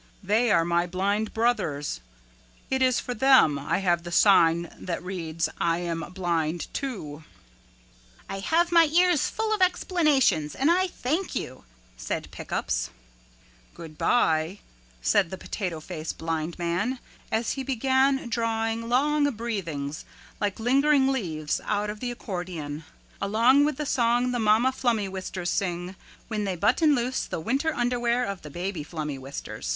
They are my blind brothers. It is for them I have the sign that reads, 'I Am Blind Too.'" "I have my ears full of explanations and I thank you," said Pick Ups. "Good by," said the Potato Face Blind Man as he began drawing long breathings like lingering leaves out of the accordion along with the song the mama flummywisters sing when they button loose the winter underwear of the baby flummywisters.